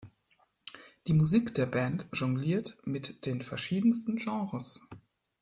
Die Musik der Band jongliert mit den verschiedensten Genres.